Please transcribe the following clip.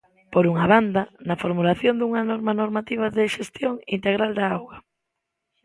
Por unha banda, na formulación dunha norma normativa de xestión integral da auga.